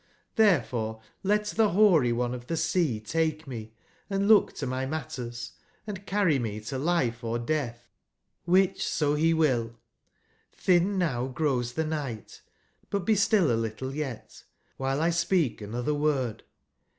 Tlberefore let tbe Roary One of tbe sea take me and look to my matters, and carry me to life or deatb, wbicb/so be will. XTbin now grows tbe nigbt, but be still a little yet, wbile X speak anotberword.)